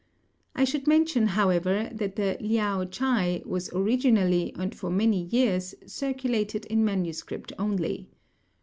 I should mention, however, that the Liao Chai was originally, and for many years, circulated in manuscript only.